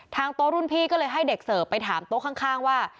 โต๊ะรุ่นพี่ก็เลยให้เด็กเสิร์ฟไปถามโต๊ะข้างว่า